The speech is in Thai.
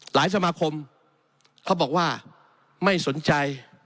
สมาคมเขาบอกว่าไม่สนใจ